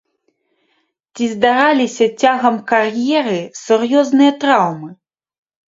Ці здараліся цягам кар'еры сур'ёзныя траўмы?